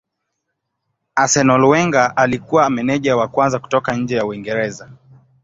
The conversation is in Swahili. Arsenal Wenger alikuwa meneja wa kwanza kutoka nje ya Uingereza.